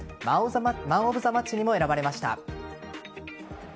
マン・オブ・ザ・マッチにも選ばれました。